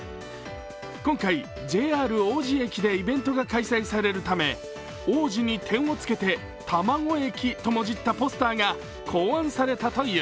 今回、ＪＲ王子駅でイベントが開催されるため王子に点をつけて玉子駅ともじったポスターが考案されたという。